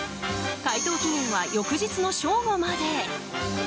回答期限は翌日の正午まで。